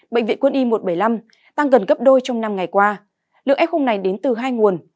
bệnh viện quân y một trăm bảy mươi năm tăng gần gấp đôi trong năm ngày qua lượng f này đến từ hai nguồn